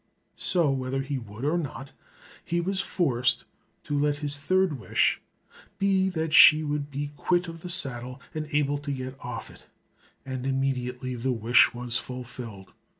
So whether he would or not, he was forced to let his third wish be that she should be quit of the saddle, and able to get off it, and immediately the wish was fulfilled.